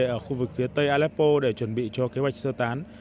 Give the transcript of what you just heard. ở khu vực phía tây aleppo để chuẩn bị cho kế hoạch sơ tán